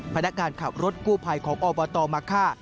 พนักงานขับรถกู้ภัยของอบตมะค่า